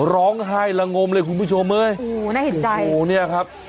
ร้องไห้ละงมเลยคุณผู้ชมเอ้ยโอ้โหน่าเห็นใจโอ้โหเนี่ยครับ